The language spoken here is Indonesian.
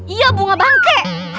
iya bunga bangke